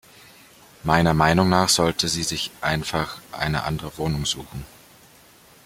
Meiner Meinung nach sollte sie sich einfach eine andere Wohnung suchen.